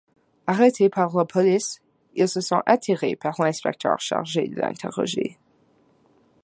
Arrêté par la police, il se sent attiré par l'inspecteur chargé de l'interroger.